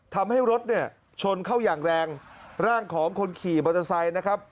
ทำให้รถเนี่ยชนเข้าอย่างแรงร่างของคนขี่มอเตอร์ไซค์นะครับ